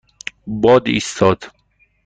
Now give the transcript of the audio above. باد ایستاد.